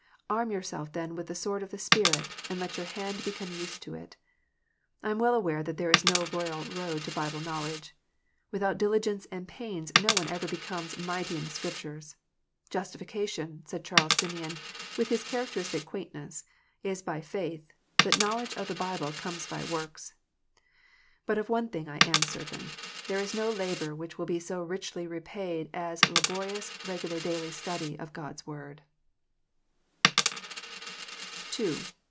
Arm yourself then with the sword of the Spirit, and let your hand become used to it. I am well aware that there is no royal road to Bible knowledge. Without diligence and pains no one ever becomes "mighty in the Scriptures." "Justification," said Charles Simeon, with his characteristic quaintness, "is by faith, but knowledge of the Bible comes by works." But of one thing I am certain : there is no labour which will be so richly repaid as laborious regular daily study of God s Word.